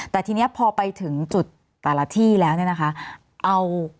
แต่ทีนี้พอไปถึงจุดแต่ละที่แล้วเนี่ยนะคะ